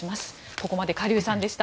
ここまでカ・リュウさんでした。